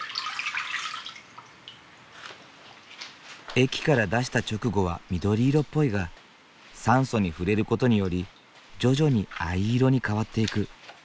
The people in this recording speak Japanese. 液から出した直後は緑色っぽいが酸素に触れる事により徐々に藍色に変わっていく。